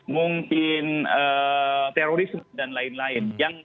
mungkin terorisme dan lain lain